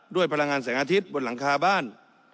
พลังงานแสงอาทิตย์บนหลังคาบ้าน